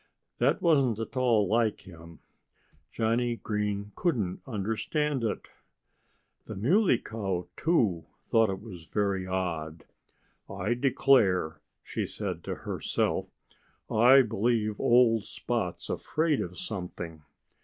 That wasn't at all like him. Johnnie Green couldn't understand it. The Muley Cow, too, thought it very odd. "I declare," she said to herself, "I believe old Spot's afraid of something.